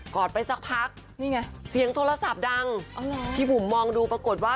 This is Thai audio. อดไปสักพักนี่ไงเสียงโทรศัพท์ดังพี่บุ๋มมองดูปรากฏว่า